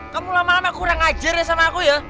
kamu lama lama kurang ajar ya sama aku ya